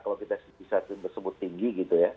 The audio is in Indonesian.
kalau kita bisa bersebut tinggi gitu ya